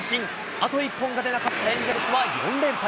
あと一本が出なかったエンゼルスは４連敗。